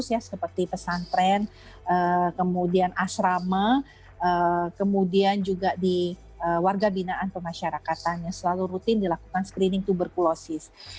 ya seperti pesantren kemudian asrama kemudian juga di warga binaan pemasyarakatan yang selalu rutin dilakukan screening tuberkulosis